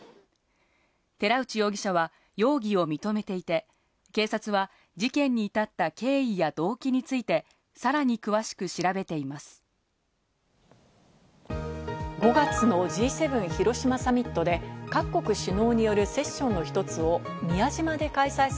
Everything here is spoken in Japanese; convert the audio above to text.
寺内容疑者は容疑を認めていて、警察は事件に至った経緯や動機について、さらに詳しく調べています。